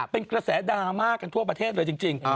เป็นกระแสดราม่ากันทั่วประเทศเลยจริง